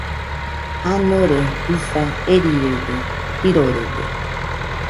Janore jisa erɨrede, jirorede